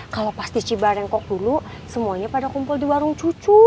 kalau pas di cibarengkok dulu semuanya pada kumpul di warung cucu